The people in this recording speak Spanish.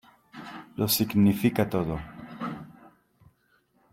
lo significa todo.